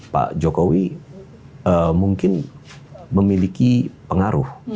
pak jokowi mungkin memiliki pengaruh